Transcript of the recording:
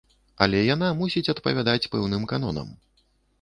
Але яна мусіць адпавядаць пэўным канонам.